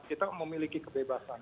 kita memiliki kebebasan